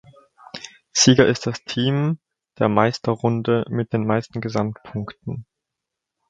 Sieger ist das Team der Meisterrunde mit den meisten Gesamtpunkten.